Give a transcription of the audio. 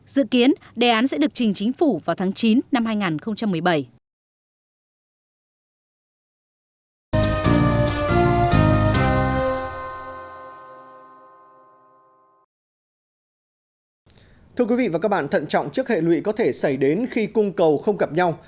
dự kiến đề án sẽ được trình chính phủ vào tháng chín năm hai nghìn một mươi bảy